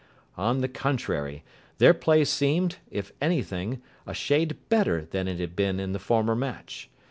On the contrary, their play seemed, if anything, a shade better than it had been in the former match.